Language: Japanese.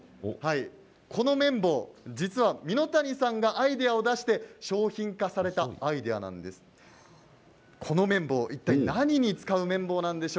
この綿棒、実は蓑谷さんがアイデアを出して商品化された綿棒なんです。